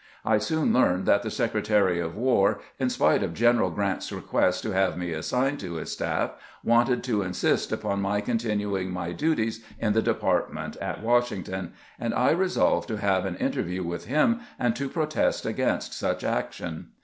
I soon learned that the Secretary of War, in spite of General Grant's request to have me assigned to his staff, wanted to insist upon my continuing my duties in the department at Washington, and I resolved to have an INTEEVIEW WITH STANTON 23 interview with him, and to protest against such action.